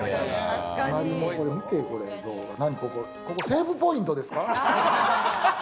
見てこれ、セーブポイントですか？